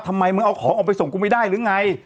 ทำไมมึงเอาของออกไปส่งกูไม่ได้หรือไง